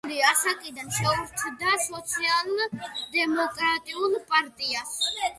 ადრეული ასაკიდან შეუერთდა სოციალ-დემოკრატიულ პარტიას.